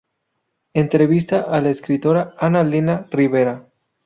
Entrevista a la Escritora Ana Lena Rivera.